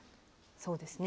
そうですね。